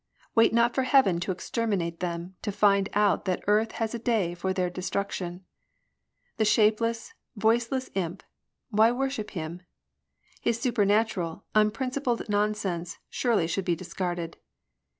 Wait not for Heaven to exterminate them To find out that earth has a day for their destruction. The shapeless, voiceless imp — Why worship him % His supernatural, unprincipled nonsense Should surely be discarded.